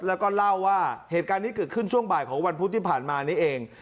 แล้วก็เล่าว่าเหตุการณ์นี้เกิดขึ้นช่วงบ่ายของวันพุธที่ผ่านมานี้เอง